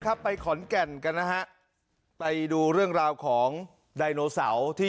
ไปขอนแก่นกันนะฮะไปดูเรื่องราวของไดโนเสาร์ที่